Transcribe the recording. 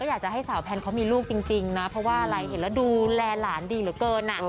อยากจะให้สาวแพนเขามีลูกจริงนะเพราะว่าอะไรเห็นแล้วดูแลหลานดีเหลือเกิน